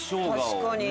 確かに。